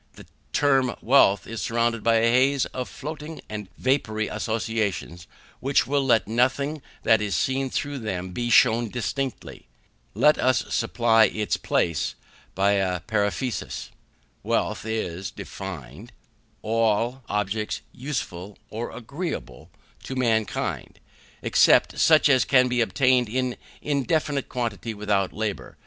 The term wealth is surrounded by a haze of floating and vapoury associations, which will let nothing that is seen through them be shewn distinctly. Let us supply its place by a periphrasis. Wealth is defined, all objects useful or agreeable to mankind, except such as can be obtained in indefinite quantity without labour.